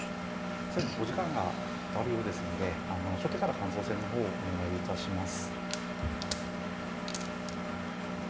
お時間あるようですので初手から感想戦の方お願いいたします。